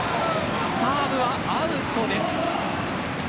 サーブはアウトです。